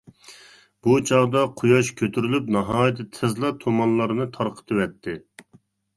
بۇ چاغدا قۇياش كۆتۈرۈلۈپ ناھايىتى تېزلا تۇمانلارنى تارقىتىۋەتتى.